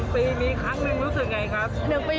ปีมีครั้งหนึ่งรู้สึกไงครับ